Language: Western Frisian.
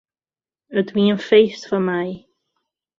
It wie in feest foar my.